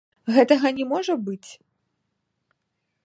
Гэтага не можа быць.